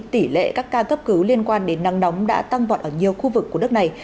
tỷ lệ các ca cấp cứu liên quan đến nắng nóng đã tăng vọt ở nhiều khu vực của đất này